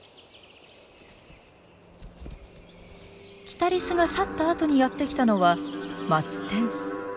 キタリスが去ったあとにやって来たのはマツテン。